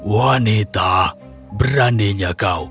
wanita beraninya kau